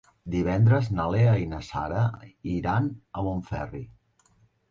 Divendres na Lea i na Nara iran a Montferri.